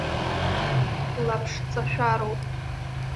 Лаԥшҵашәароуп.